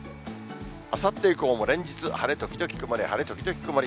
あさって以降も連日、晴れ時々曇り、晴れ時々曇り。